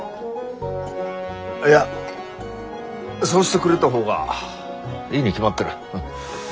いやそうしてくれた方がいいに決まってる。